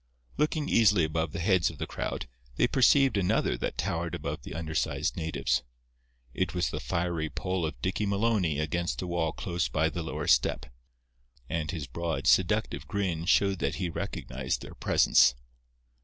Looking easily above the heads of the crowd, they perceived another that towered above the undersized natives. It was the fiery poll of Dicky Maloney against the wall close by the lower step; and his broad, seductive grin showed that he recognized their presence.